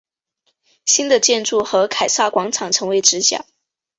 新的建筑和凯撒广场成为直角。